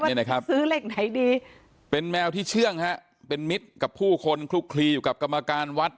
นี่นะครับซื้อเหล็กไหนดีเป็นแมวที่เชื่องฮะเป็นมิตรกับผู้คนคลุกคลีอยู่กับกรรมการวัด